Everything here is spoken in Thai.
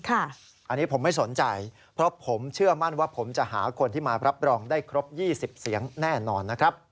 อันนี้ผมไม่สนใจเพราะผมเชื่อมั่นว่าผมจะหาคนที่มารับรองได้ครบ๒๐เสียงแน่นอนนะครับ